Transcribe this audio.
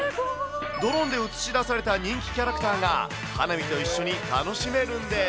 ドローンで映し出された人気キャラクターが、花火と一緒に楽しめるんです。